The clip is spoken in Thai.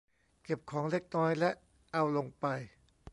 เก็บของเล็กน้อยและเอาลงไป